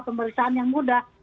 pemeriksaan yang mudah